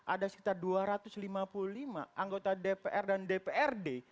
ada sekitar dua ratus lima puluh lima anggota dpr dan dprd